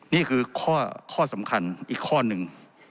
นี่คือข้อสำคัญอีกข้อหนึ่ง